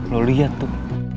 lo liat tuh